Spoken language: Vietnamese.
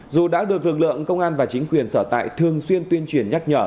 dù đã được lực lượng công an và chính quyền sở tại thường xuyên tuyên truyền